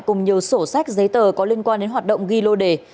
cùng nhiều sổ sách giấy tờ có liên quan đến hoạt động ghi lô đề